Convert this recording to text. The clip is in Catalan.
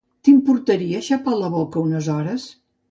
T'importaria xapar la boca unes hores?